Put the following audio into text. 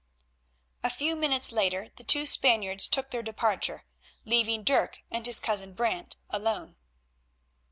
A few minutes later the two Spaniards took their departure, leaving Dirk and his cousin Brant alone.